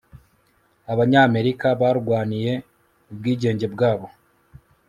abanyamerika barwaniye ubwigenge bwabo